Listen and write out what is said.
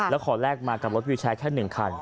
แล้วขอแลกมากับรถวิวแชร์แค่๑คัน